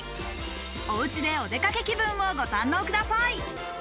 お家でお出かけ気分をご堪能ください。